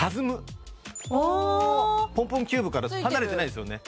ポンポンキューブから離れてないですよね